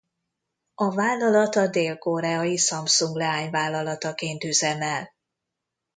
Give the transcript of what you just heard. A vállalat a dél-koreai Samsung leányvállalataként üzemel.